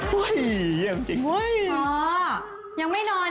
โทรมานโทรมานโทรมาน